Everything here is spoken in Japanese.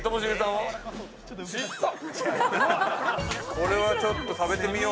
これはちょっと食べてみよう。